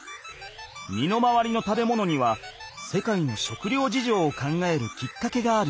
身の回りの食べ物には世界の食料事情を考えるきっかけがある。